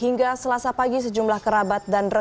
hingga selasa pagi sejumlah kerabat dan rekan